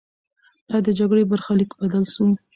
آیا د جګړې برخلیک بدل سو؟